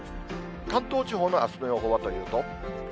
関東地方のあすの予報はというと。